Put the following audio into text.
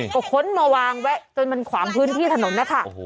ก็ค้นมาวางแวะจนมันขวางพื้นที่ถนนนะคะ